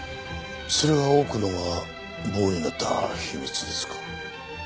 それが奥野が棒になった秘密ですか？